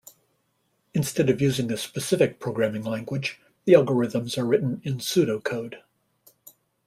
Instead of using a specific programming language, the algorithms are written in Pseudocode.